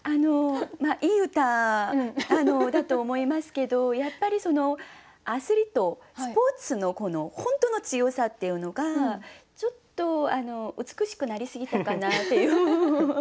いい歌だと思いますけどやっぱりアスリートスポーツの本当の強さっていうのがちょっと美しくなりすぎたかなっていう歌がきれいに。